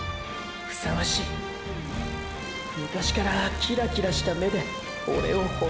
「ふさわしい」昔からキラキラした目でオレをほめちぎる。